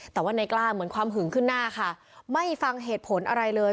แต่ว่าในกล้าเหมือนความหึงขึ้นหน้าค่ะไม่ฟังเหตุผลอะไรเลย